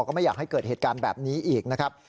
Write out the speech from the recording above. ก็ไม่อยากให้เกิดเหตุการณ์แบบนี้อีกนะครับ